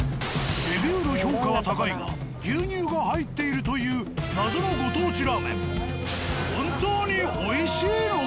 レビューの評価は高いが牛乳が入っているという謎のご当地ラーメン。